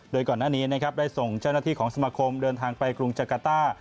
โดยก่อนหน้านี้นะครับได้ส่งเจ้าหน้าที่ของสมาคมเดินทางไปกรุงจักรต้า